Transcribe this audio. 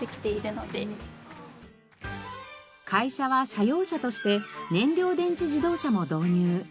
会社は社用車として燃料電池自動車も導入。